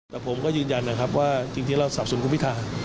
ส่วนประเด็นนะครับการขอแก้ไขรัฐธรรมนุมตรา๒๗๒